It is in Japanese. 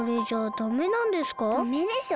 ダメでしょ。